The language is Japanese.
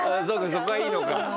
そこはいいのか。